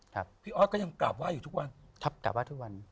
แล้วก็ยังกลับว่าอยู่ทุกวัน